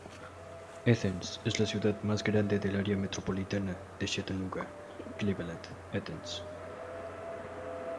Athens es la ciudad más grande del área metropolitana de Chattanooga-Cleveland-Athens.